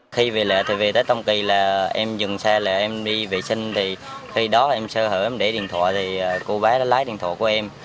khi về lại thì về tới tâm kỳ là em dừng xe lại em đi vệ sinh thì khi đó em sơ hở em để điện thoại thì cô bá lái điện thoại của em